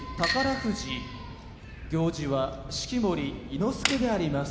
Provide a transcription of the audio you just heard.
富士行司は式守伊之助であります。